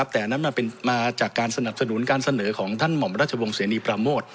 แต่นั่นมาจากการสนับสนุนการเสนอของท่านหม่อมรัชบงศ์เศรษฐีประโมท